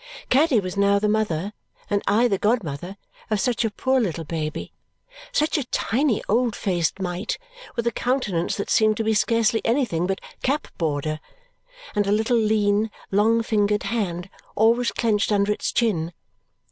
Caddy was now the mother, and I the godmother, of such a poor little baby such a tiny old faced mite, with a countenance that seemed to be scarcely anything but cap border, and a little lean, long fingered hand, always clenched under its chin.